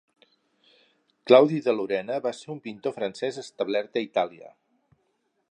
Claudi de Lorena va ser un pintor francès establert a Itàlia.